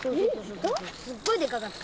すっごいでかかった。